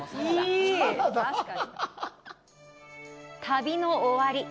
旅の終わり。